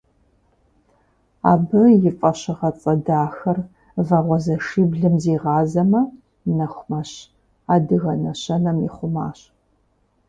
Абы и фӀэщыгъэцӀэ дахэр «Вагъуэзэшиблым зигъазэмэ, нэху мэщ» адыгэ нэщэнэм ихъумащ.